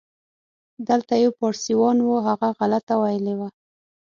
دلته یو پاړسیوان و، هغه غلطه ویلې وه.